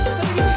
buka mau gue